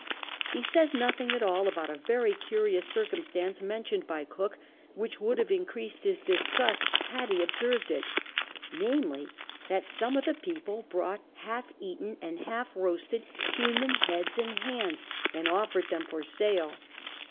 He says nothing at all about a very curious circumstance mentioiKid by Cook, which would have increased his disgust had ho observed it — namely, that some of the people brought half eaten and half roasted human heads and hands and offered them for sale.